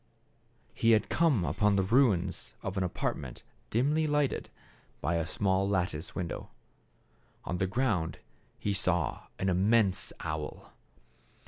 He had come upon the ruins of an apartment dimly lighted by a small lattice window. On the ground he saw an immense owl.